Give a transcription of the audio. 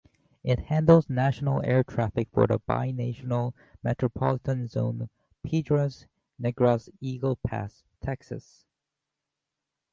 It handles national air traffic for the bi-national metropolitan zone Piedras Negras-Eagle Pass, Texas.